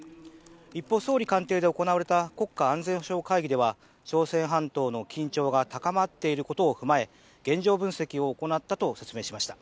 一方、総理官邸で行われた国家安全保障会議では朝鮮半島の緊張が高まっていることを踏まえ現状分析を行ったと説明しました。